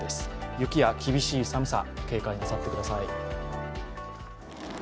雪や厳しい寒さ、警戒なさってください。